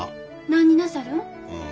何になさるん？